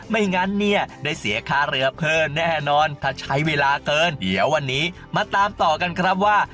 ไม่งั้นเนี่ยได้เสียค่าเรือเพิ่มแน่นอนถ้าใช้เวลาเกินเดี๋ยววันนี้มาตามต่อกันครับว่า